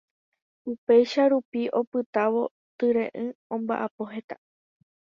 upéicha rupi opytávo tyre'ỹ omba'apo heta